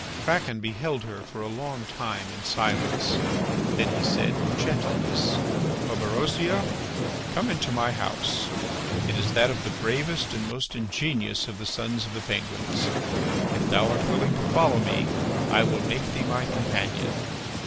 Kraken beheld her for a long time in silence. Then he said with gentleness: "Orberosia, come into my house; it is that of the bravest and most ingenious of the sons of the Penguins. If thou art willing to follow me, I will make thee my companion."